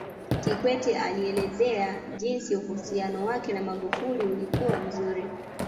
Kikwete alielezea jinsi uhusiano wake na Magufuli ulikuwa mzuri